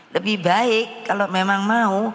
lebih baik kalau memang mau